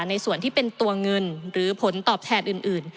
ในส่วนที่เป็นตัวเงินหรือผลตอบแทนอื่น